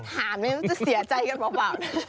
ถามมันจะเสียใจกันหรือเปล่า